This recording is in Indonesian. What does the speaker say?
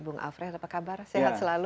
bung alfred apa kabar sehat selalu